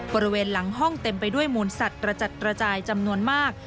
บริเวณหลังห้องเต็มไปด้วยมูลสัตว์กระจัดกระจายจำนวนมาก